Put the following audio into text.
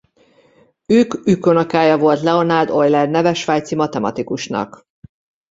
Ük-ükunokája volt Leonhard Euler neves svájci matematikusnak.